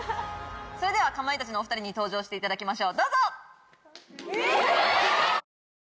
それではかまいたちのお２人に登場していただきましょう！